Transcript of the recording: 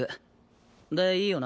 でいいよな？